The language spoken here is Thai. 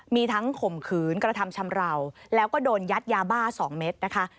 มีทั้งข่มขืนกระทำชำราวแล้วก็โดนยัดยาบ้า๒เม็ดนะคะ